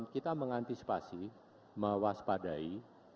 kita mengantisipasi mewaspadai